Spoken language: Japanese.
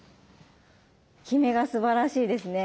極めがすばらしいですね。